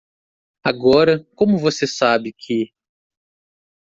Agora, como você sabe que?